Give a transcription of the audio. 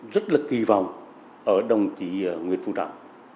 rất là kỳ vọng ở đồng chí nguyễn phú trọng